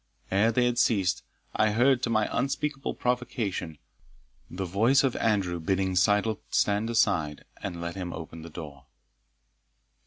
Ere they had ceased, I heard, to my unspeakable provocation, the voice of Andrew bidding Syddall stand aside, and let him open the door.